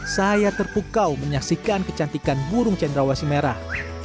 saya terpukau menyaksikan kecantikan burung cendrawasi merah